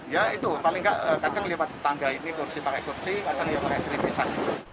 ya itu paling enggak kadang lewat tangga ini kursi pakai kursi kadang ya pakai keripisan